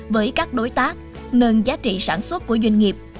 với các đối tác nâng giá trị sản xuất của doanh nghiệp